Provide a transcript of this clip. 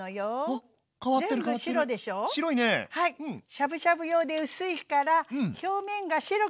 しゃぶしゃぶ用で薄いから表面が白くなったらＯＫね。